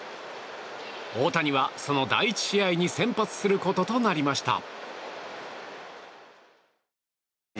大谷は、その第１試合に先発することとなりました。